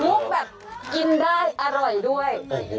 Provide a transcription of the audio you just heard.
แบบกินได้อร่อยด้วย